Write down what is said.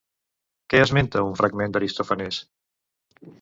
Què esmenta un fragment d'Aristòfanes?